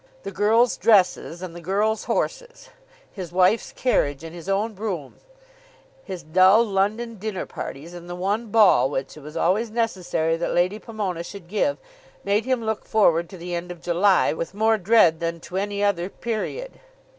The girls' dresses and the girls' horses, his wife's carriage and his own brougham, his dull London dinner parties, and the one ball which it was always necessary that Lady Pomona should give, made him look forward to the end of July, with more dread than to any other period.